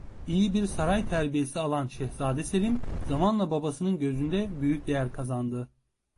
İyi bir saray terbiyesi alan Şehzade Selim zamanla babasının gözünde büyük değer kazandı.